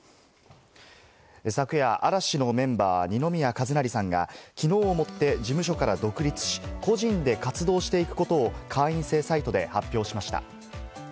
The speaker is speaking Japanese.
昨夜、嵐のメンバー・二宮和也さんがきのうをもって事務所から独立し、個人で活動していくことを会員制サイトで発表しました。